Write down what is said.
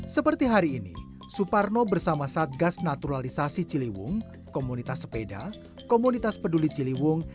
seperti hari ini suparno bersama satgas naturalisasi ciliwung komunitas sepeda komunitas peduli ciliwung